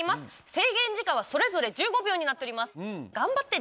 制限時間は、それぞれ１５秒になっております。